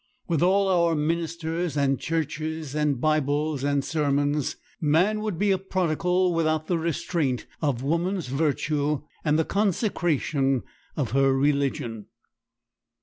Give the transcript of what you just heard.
With all our ministers and Churches, and Bibles and sermons, man would be a prodigal without the restraint of woman's virtue and the consecration of her religion.